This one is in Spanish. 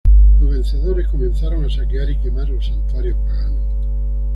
Los vencedores comenzaron a saquear y quemar los santuarios paganos.